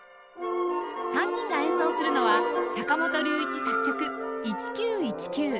３人が演奏するのは坂本龍一作曲『１９１９』